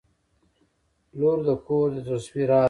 • لور د کور د زړسوي راز وي.